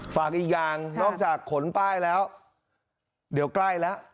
ฝากอีกอย่างนอกจากขนป้ายแล้วเดี๋ยวใกล้แล้ว